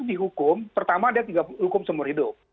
dihukum pertama ada hukum sumur hidup